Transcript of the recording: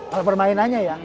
kalau permainannya ya